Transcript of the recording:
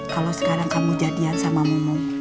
kalau sekarang kamu jadian sama mumu